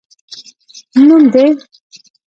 نوم دي؟